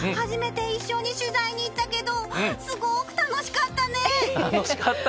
初めて一緒に取材に行ったけど楽しかったね。